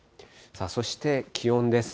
そして気温です。